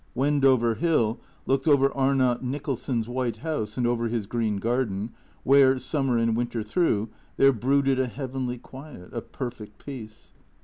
Wendover Hill looked over Arnott Nicholson's white house and over his green garden, where, summer and winter through, there brooded a heavenly quiet, a perfect peace.